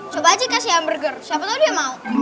coba aja kasih burger siapa tahu dia mau